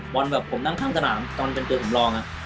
บอลแบบผมนั่งข้างสนามตอนเป็นเกือบหนบรอง